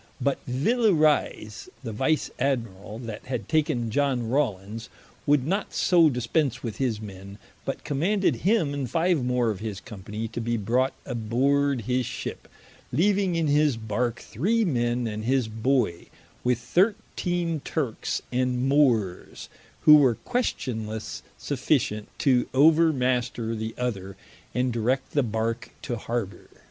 But Villa Rise, the Vice Admirall that had taken Iohn Rawlins, would not so dispence with his men, but commanded him and five more of his company to be brought aboord his ship, leaving in his Barke three men and his boy, with thirteene Turkes and Moores, who were questionlesse sufficient to over master the other, and direct the Barke to Harbour.